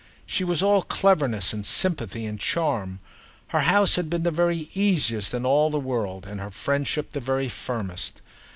She was all cleverness and sympathy and charm; her house had been the very easiest in all the world and her friendship the very firmest.